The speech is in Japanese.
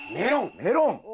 メロン！